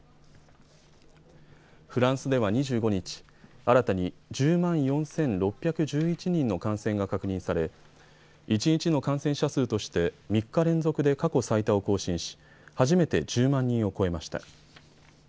フランスでは２５日、新たに１０万４６１１人の感染が確認され一日の感染者数として３日連続で過去最多を更新し初めて１０万人を超えました。